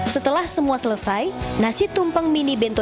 setelah semua selesai nasi tumpeng mini bento